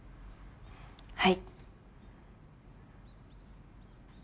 はい。